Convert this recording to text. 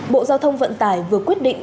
bộ giao thông vận tải vừa quyết định